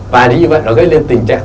và như vậy nó gây lên tình trạng